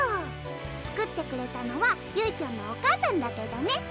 作ってくれたのはゆいぴょんのお母さんだけどね